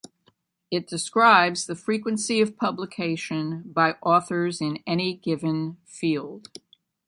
It describes the frequency of publication by authors in any given field.